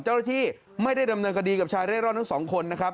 เจ้าหน้าที่ไม่ได้ดำเนินคดีกับชายเร่ร่อนทั้งสองคนนะครับ